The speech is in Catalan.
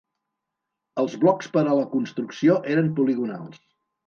Els blocs per a la construcció eren poligonals.